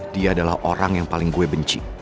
dia adalah orang yang paling gue benci